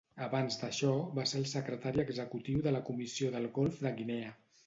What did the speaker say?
Abans d'això, va ser el secretari executiu de la Comissió del Golf de Guinea.